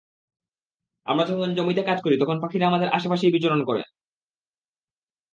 আমরা যখন জমিতে কাজ করি, তখন পাখিরা আমাদের আশপাশেই বিচরণ করে।